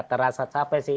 terasa capek sih